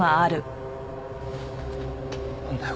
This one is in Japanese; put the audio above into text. なんだよ？